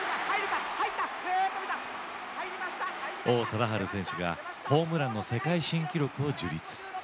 王貞治選手がホームランの世界新記録を樹立。